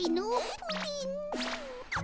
プリン。